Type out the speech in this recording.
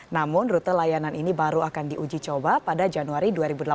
namun rute layanan ini baru akan diuji coba pada januari dua ribu delapan belas